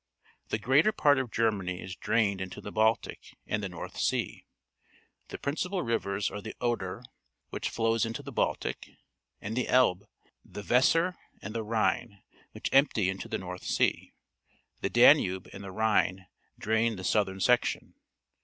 The greater part of Germany is drained into the Baltic and the North Sea. The principal ri^■ers are the Qd£j:, which flows into the Baltic, and the Elbe, the Weser, and the Rhine, which empty into the North Sea. The J Jgjujhe and the Rhine drain the southern section.